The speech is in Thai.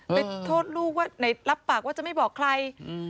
ไปโทษลูกว่าไหนรับปากว่าจะไม่บอกใคร